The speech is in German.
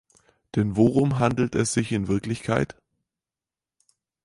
Denn worum handelt es sich in Wirklichkeit?